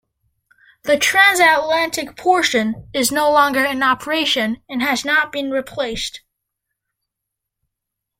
The transatlantic portion is no longer in operation and has not been replaced.